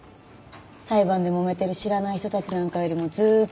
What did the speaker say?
裁判でもめてる知らない人たちなんかよりもずーっと。